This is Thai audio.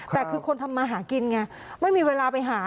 แต่คือคนทำมาหากินไงไม่มีเวลาไปหา